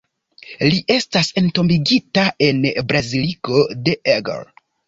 Li estas entombigita en Baziliko de Eger.